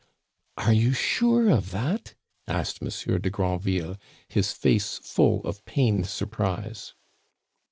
"Are you sure of that?" asked Monsieur de Granville, his face full of pained surprise.